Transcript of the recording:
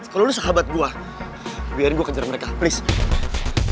kalo lo sahabat gue biar gue kejar mereka please